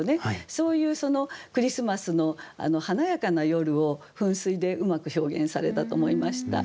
そういうそのクリスマスの華やかな夜を「噴水」でうまく表現されたと思いました。